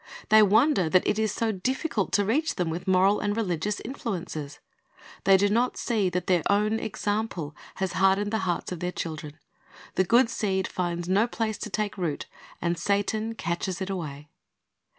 They wonder that it is so difficult to reach them with moral and religious influences. They do not see that their own example has hardened the hearts of their children. The good seed finds no place to take root, and Satan catches it away.